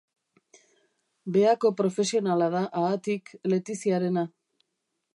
Behako profesionala da, haatik, Letiziarena.